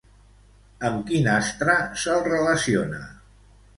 Amb quin astre se'l relaciona?